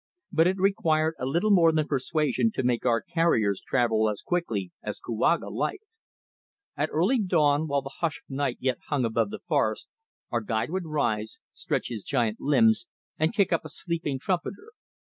But it required a little more than persuasion to make our carriers travel as quickly as Kouaga liked. At early dawn while the hush of night yet hung above the forest, our guide would rise, stretch his giant limbs and kick up a sleeping trumpeter.